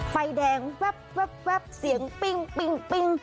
ไฟแดงแว๊บแว๊บแว๊บเสียงปิ้งปิ้งปิ้ง